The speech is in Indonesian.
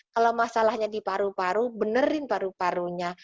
kalau masalahnya di paru paru benerin paru parunya